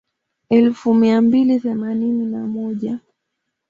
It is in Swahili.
Elfu nane mia mbili themanini na moja